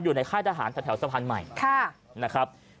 อยู่ในค่ายทหารแถวสะพานใหม่นะครับ